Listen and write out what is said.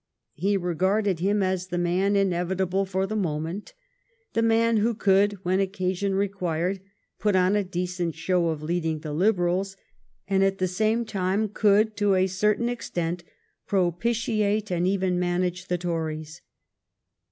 He regarded him as the man inevita ble for the moment, the man who could, when occasion required, put on a decent show of lead ing the Liberals, and at the same time could to a certain extent propitiate and even manage the Tories.